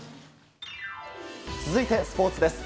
続いて、スポーツです。